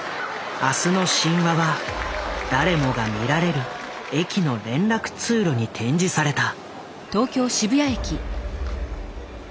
「明日の神話」は誰もが見られる駅の連絡通路に展示された。